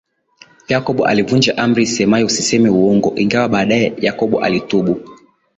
Yakobo alivunja Amri isemayo Usiseme Uongo ingawa baadaye yakobo alitubu